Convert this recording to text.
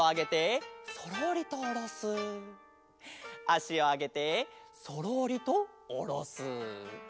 あしをあげてそろりとおろす。